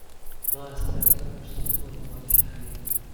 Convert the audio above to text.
ما از طریق دوستان ملاقات کردیم.